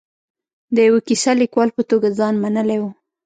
د یوه کیسه لیکوال په توګه ځان منلی و.